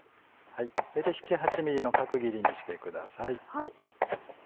大体７８ｍｍの角切りにしてください。